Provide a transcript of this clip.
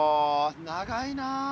長いな。